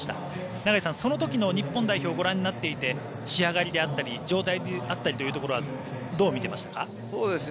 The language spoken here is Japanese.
永井さん、その時の日本代表をご覧になっていて仕上がりだったり状態であったりというところはどう見ていましたか？